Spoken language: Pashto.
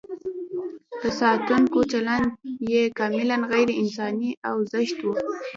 د ساتونکو چلند یې کاملاً غیر انساني او زشت و.